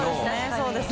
そうですね。